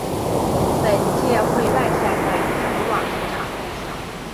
本届会外赛在天母网球场进行。